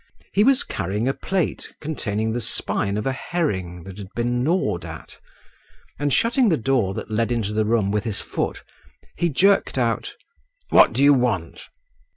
He was carrying a plate containing the spine of a herring that had been gnawed at; and shutting the door that led into the room with his foot, he jerked out, "What do you want?"